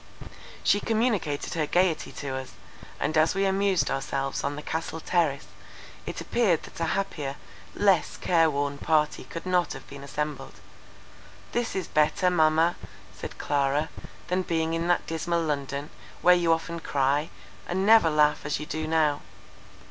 She communicated her gaiety to us, and as we amused ourselves on the Castle Terrace, it appeared that a happier, less care worn party could not have been assembled. "This is better, Mamma," said Clara, "than being in that dismal London, where you often cry, and never laugh as you do now."